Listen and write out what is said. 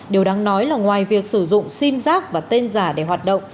điều đáng nói là ngoài việc sử dụng sim giác và tên giả để hoạt động